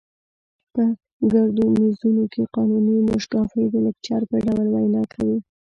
په ګردو میزونو کې قانوني موشګافۍ د لیکچر په ډول وینا کوي.